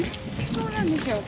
そうなんですよ。